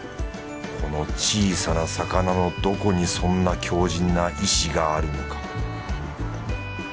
この小さな魚のどこにそんな強じんな意思があるのか